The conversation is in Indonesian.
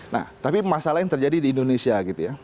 nah tapi masalah yang terjadi di indonesia gitu ya